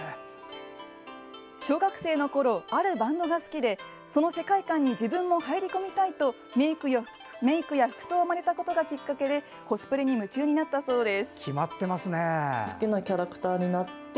小学生のころあるバンドが好きでその世界観に自分も入り込みたいとメークや服装をまねたことがきっかけでコスプレに夢中になったそうです。